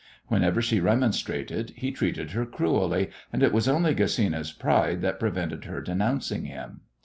Whenever she remonstrated he treated her cruelly, and it was only Gesina's pride that prevented her denouncing him.